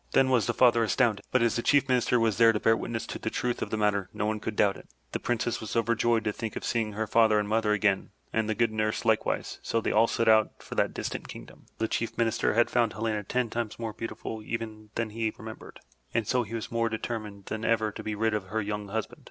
Then was the father astounded, but as the Chief Minister was there to bear witness to the truth of the matter, no one could doubt it. The Princess was overjoyed to think of seeing her father and mother again, and the good nurse likewise, so they all set out for that distant kingdom. Now the Chief Minister had found Helena ten times more beautiful even than he remembered, and so he was more de termined than ever to be rid of her young husband.